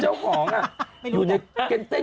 เจ้าของอยู่ในเก็นติ้ง